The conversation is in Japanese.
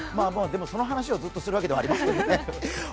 でも、その話をずっとするわけではありませんので。